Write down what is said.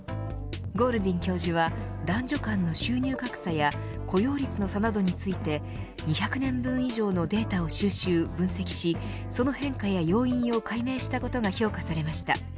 ゴールディン教授は男女間の収入格差や雇用率の差などについて２００年分以上のデータを収集・分析しその変化や要因を解明したことが評価されました。